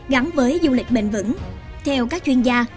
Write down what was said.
gắn với du lịch bền vững theo các chuyên gia